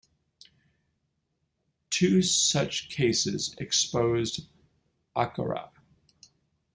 Two such cases exposed Acorah.